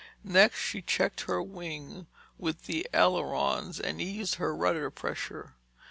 Next, she checked her wing with the ailerons and eased her rudder pressure.